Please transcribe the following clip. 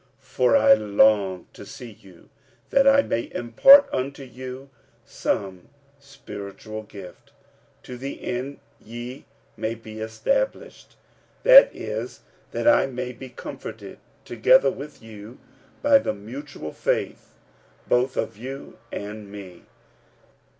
45:001:011 For I long to see you, that I may impart unto you some spiritual gift, to the end ye may be established; 45:001:012 That is, that I may be comforted together with you by the mutual faith both of you and me.